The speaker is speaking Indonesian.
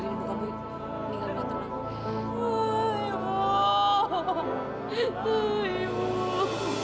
biarin ibu kabur tinggal batu